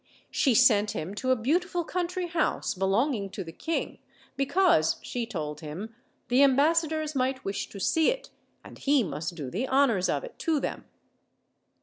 She sent him to a beauti ful country house belonging to the king, because, she told him, the ambassadors might wish to see it, and he must do the honors of it to them.